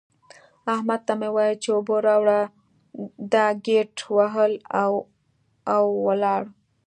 احمد ته مې وويل چې اوبه راوړه؛ ده ګيت وهل او ولاړ.